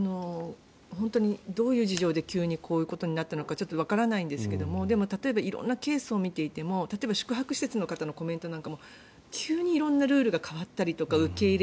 本当にどういう事情で急にこういうことになったのかちょっとわからないんですが色んなケースを見ていても例えば、宿泊施設の方のコメントなんかも急に色んなルールが変わったりとか受け入れ。